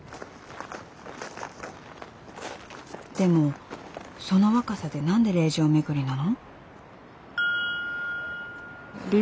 でもその若さで何で霊場巡りなの？